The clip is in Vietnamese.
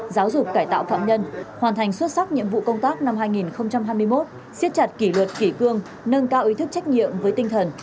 giáo dục cải tạo phạm nhân hoàn thành xuất sắc nhiệm vụ công tác năm hai nghìn hai mươi một siết chặt kỷ luật kỷ cương nâng cao ý thức trách nhiệm với tinh thần